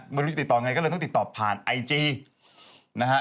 ไม่รู้จะติดต่อไงก็เลยต้องติดต่อผ่านไอจีนะฮะ